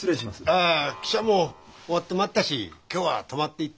ああ汽車も終わってまったし今日は泊まっていってくれんしゃい。